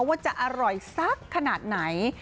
ว่าจะอร่อยสักขนาดไหน